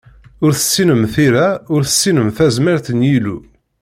Ur tessinem tira, ur tessinem tazmert n Yillu.